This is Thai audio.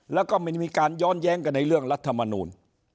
แล้วก็ไม่มีการย้อนแย้งกันในเรื่องรัฐมนูล